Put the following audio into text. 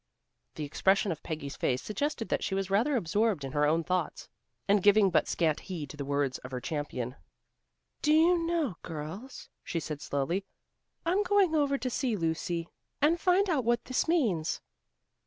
The expression of Peggy's face suggested that she was rather absorbed in her own thoughts, and giving but scant heed to the words of her champion. "Do you know, girls," she said slowly, "I'm going over to see Lucy and find out what this means."